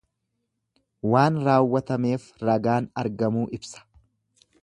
Waan raawwatameef ragaan argamuu ibsa.